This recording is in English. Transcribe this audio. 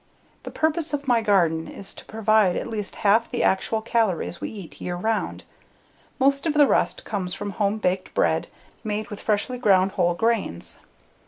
The purpose of my garden is to provide at least half the actual calories we eat year round; most of the rest comes from home baked bread made with freshly ground whole grains.